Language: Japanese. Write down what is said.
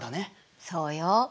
そうよ。